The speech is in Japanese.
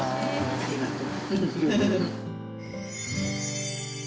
ありがとう。